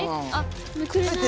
めくれない。